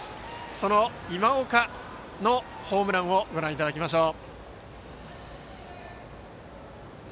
その今岡のホームランをご覧いただきましょう。